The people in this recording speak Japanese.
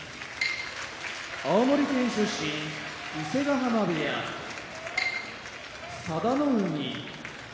青森県出身伊勢ヶ濱部屋佐田の海